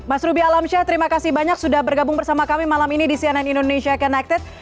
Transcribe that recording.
mas ruby alamsyah terima kasih banyak sudah bergabung bersama kami malam ini di cnn indonesia connected